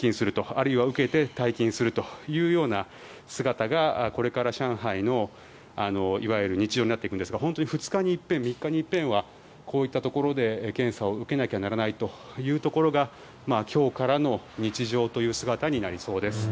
あるいは受けて退勤するというような姿がこれから上海の、いわゆる日常になっていくんですが本当に２日に一遍３日に一遍はこういったところで検査を受けなきゃいけないというのが今日からの日常という姿になりそうです。